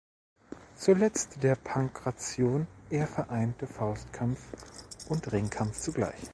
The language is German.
Zuletzt der Pankration, er vereinte Faustkampf und Ringkampf zugleich.